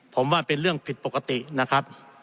ผมว่าเป็นเรื่องผิดปกตินะครับ